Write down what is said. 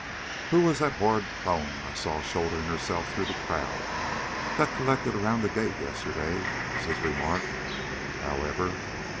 "Who was that horrid crone I saw shouldering herself through the crowd that collected around the gate yesterday?" was his remark, however.